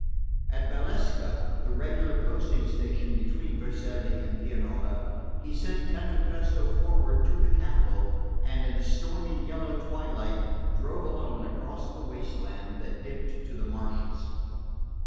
At Valsecca, the regular posting station between Vercelli and Pianura, he sent Cantapresto forward to the capital, and in a stormy yellow twilight drove alone across the waste land that dipped to the marshes.